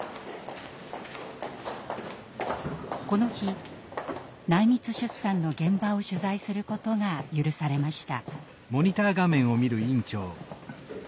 この日内密出産の現場を取材することが許されました。